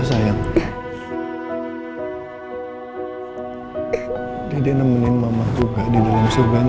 sampai jumpa di video selanjutnya